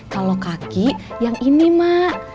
kalau kaki yang ini mak